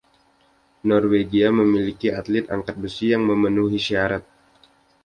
Norwegia memiliki atlet angkat besi yang memenuhi syarat.